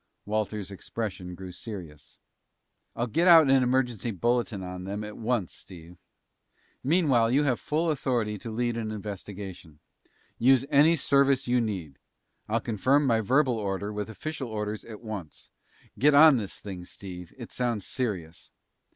Walters' expression grew serious. "I'll get out an emergency bulletin on them at once, Steve. Meantime, you have full authority to head an investigation. Use any service you need. I'll confirm my verbal order with official orders at once. Get on this thing, Steve. It sounds serious."